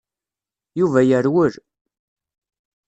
Yuba yerwel.